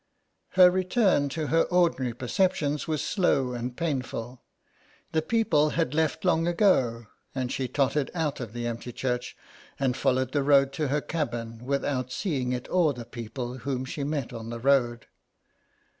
Her return to her ordinary perceptions was slow and painful. The people had left long ago, and she tottered out of the empty church and followed the road to her cabin without seeing it or the people whom she met on the road.